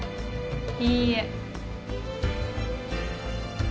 いいえ。